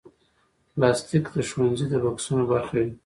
پلاستيک د ښوونځي د بکسونو برخه وي.